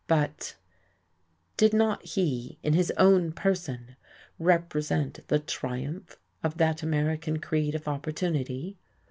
But did not he in his own person represent the triumph of that American creed of opportunity?